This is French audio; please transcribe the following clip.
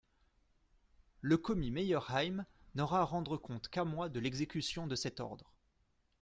Le commis Meyerheim n'aura à rendre compte qu'à moi de l'exécution de cet ordre.